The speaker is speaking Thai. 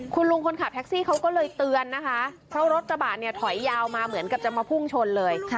คุณลุงคนขับแท็กซี่เขาก็เลยเตือนนะคะเพราะรถกระบะเนี่ยถอยยาวมาเหมือนกับจะมาพุ่งชนเลย